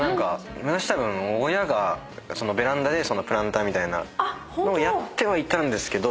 昔たぶん親がベランダでプランターみたいなのをやってはいたんですけど。